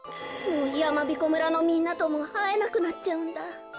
もうやまびこ村のみんなともあえなくなっちゃうんだ。